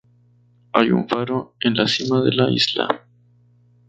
Hay un faro en la cima de la isla.